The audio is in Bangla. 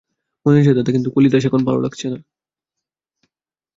মনে আছে দাদা, কিন্তু কালিদাস এখন ভালো লাগছে না।